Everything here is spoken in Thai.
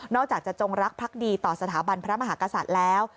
อกจากจะจงรักพักดีต่อสถาบันพระมหากษัตริย์แล้ว